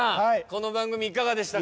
この番組いかがでしたか？